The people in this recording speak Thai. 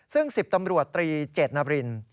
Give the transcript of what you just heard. ซึ่ง๑๐ตำรวจตรีเจตนาบริน